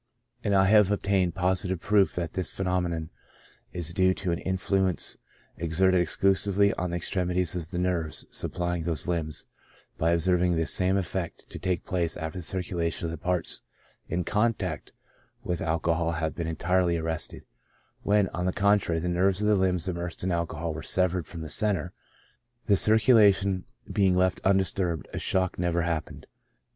; and I have obtained positive proof that this phenome non Is due to an Influence exerted exclusively on the ex tremities of the nerves supplying those limbs, by observing this same effect to take place after the circulation of the parts in contact with alcohol had been entirely arrested* When, on the contrary, the nerves of the limbs immersed in alcohol were severed from their centre, the circulation being left undisturbed, a shock never happened.